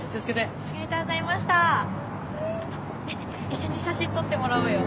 一緒に写真撮ってもらおうよ。